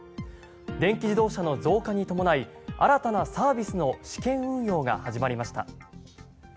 電気自動車の増加に伴い新たなサービスの試験運用が始まりました。